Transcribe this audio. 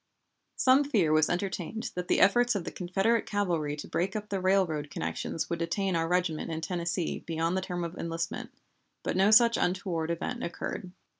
Some fear was entertained that the efforts of the Confederate cavalry to break up the railroad connections would detain our regiment in Tennessee beyond the term of enlistment, but no such untoward event occurred.